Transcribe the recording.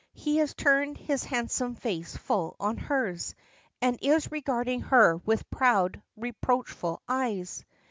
He has turned his handsome face full on hers, and is regarding her with proud, reproachful eyes.